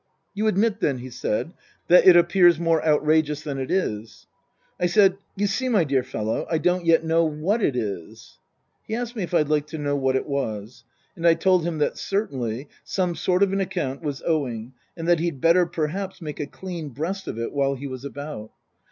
" You admit, then," he said, " that it appears more outrageous than it is ?" I said, " You see, my dear fellow, I don't yet know what it is." He asked me if I'd like to know what it was ? And I told him that, certainly, some sort of an account was owing and that he'd better perhaps make a clean breast of it while he was about it.